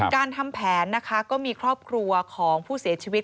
การทำแผนนะคะก็มีครอบครัวของผู้เสียชีวิต